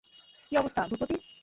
কী অবস্থা, ভূপতি?